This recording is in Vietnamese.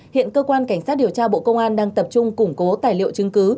hiện cơ quan cảnh sát điều tra bộ công an đang tập trung củng cố tài liệu chứng cứ